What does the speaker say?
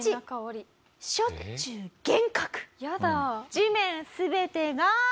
地面全てが。